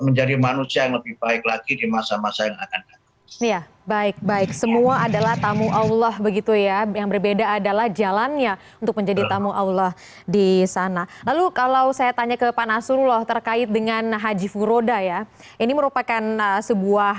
menyampaikan kepada jamaah